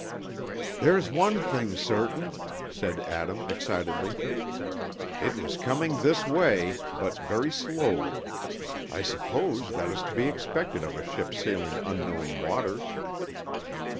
"There's one thing certain," said Adam, excitedly: "it was coming this way, but very slowly. I suppose that is to be expected of a ship sailing unknown waters.